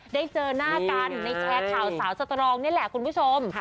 ได้เจอหน้ากันในแชร์ข่าวสาวสตรองนี่แหละคุณผู้ชม